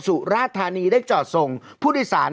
สุราชธารณีได้จอดส่งพุทธิสาร